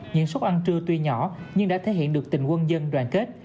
những suất ăn trưa tuy nhỏ nhưng đã thể hiện được tình quân dân đoàn kết